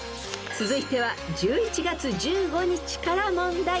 ［続いては１１月１５日から問題］